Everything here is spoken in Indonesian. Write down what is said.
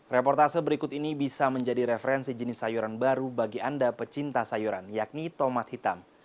reportase berikut ini bisa menjadi referensi jenis sayuran baru bagi anda pecinta sayuran yakni tomat hitam